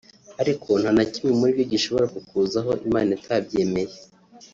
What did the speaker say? ariko nta na kimwe muri byo gishobora kukuzaho Imana itabyemeye